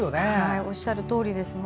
おっしゃるとおりです。